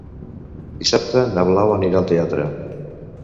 Dissabte na Blau anirà al teatre.